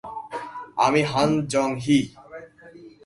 আমি হান জং-হি।